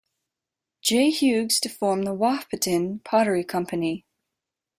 J Hughes to form the Wahpeton Pottery Company.